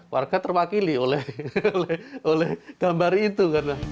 warga terwakili oleh gambar itu